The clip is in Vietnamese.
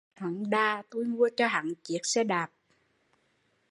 Hắn đà tui mua cho hắn chiếc xe đạp